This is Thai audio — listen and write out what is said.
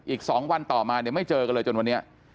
อีก๒วันต่อมาเนี่ยไม่เจอกันเลยจนวันนี้